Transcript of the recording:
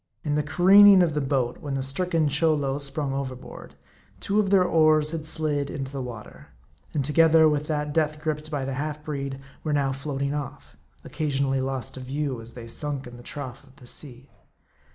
In the careening of the boat, when the stricken Cholo sprung overboard, two of their oars had slid into the water ; and together with that death griped by the half breed, were now floating off; occa sionally lost to view, as they sunk in the trough of the sea.